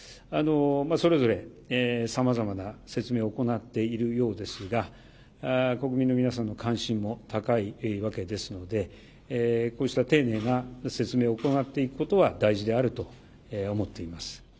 それぞれさまざまな説明を行っているようですが、国民の皆さんの関心も高いわけですので、こうした丁寧な説明を行っていくことは大事であると思っています。